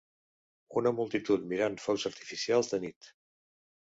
Una multitud mirant focs artificials de nit